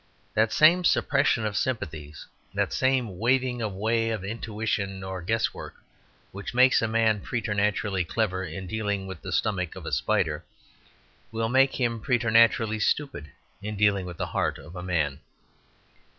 That same suppression of sympathies, that same waving away of intuitions or guess work which make a man preternaturally clever in dealing with the stomach of a spider, will make him preternaturally stupid in dealing with the heart of man.